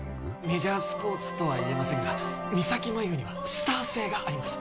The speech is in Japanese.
メジャースポーツとは言えませんが三咲麻有にはスター性があります